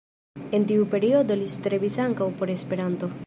En tiu periodo li strebis ankaŭ por Esperanto.